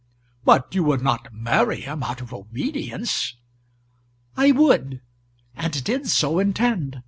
"But you would not marry him out of obedience?" "I would and did so intend.